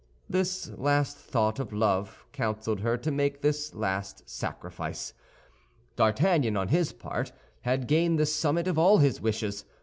This last thought of love counseled her to make this last sacrifice. D'Artagnan, on his part, had gained the summit of all his wishes.